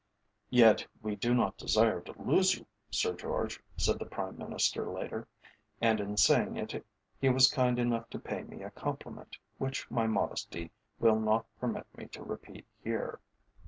"Yet we do not desire to lose you, Sir George," said the Prime Minister later, and in saying it he was kind enough to pay me a compliment which my modesty will not permit me to repeat here.